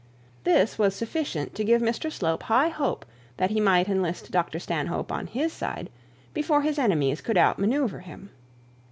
This was sufficient to give to Mr Slope high hope that he might enlist Dr Stanhope on his side, before his enemies could out manoeuvre him.